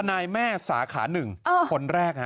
ธนายแม่สาขาหนึ่งคนแรก